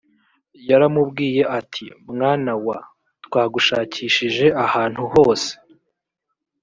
yaramubwiye ati mwana wa twagushakishije ahantu hose